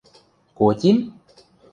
– Котим?